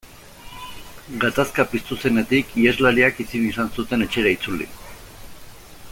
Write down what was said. Gatazka piztu zenetik iheslariak ezin izan zuten etxera itzuli.